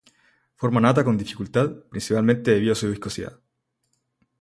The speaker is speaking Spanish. Forma nata con dificultad, principalmente debido a su viscosidad.